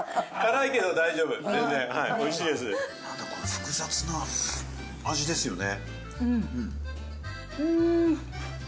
複雑な味ですよね。